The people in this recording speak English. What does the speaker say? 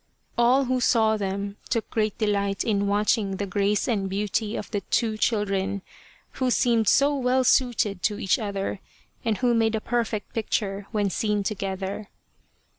All who saw them took great delight in watching the grace and beauty of the two children, who seemed so well suited to each other, and who made a perfect picture when seen together.